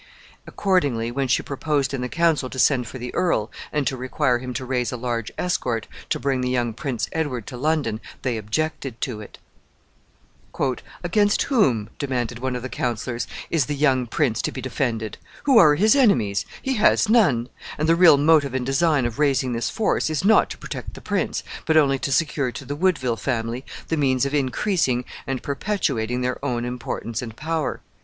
Accordingly, when she proposed in the council to send for the earl, and to require him to raise a large escort to bring the young Prince Edward to London, they objected to it. [Illustration: THE ATTEMPTED RECONCILIATION.] "Against whom," demanded one of the councilors, "is the young prince to be defended? Who are his enemies? He has none, and the real motive and design of raising this force is not to protect the prince, but only to secure to the Woodville family the means of increasing and perpetuating their own importance and power."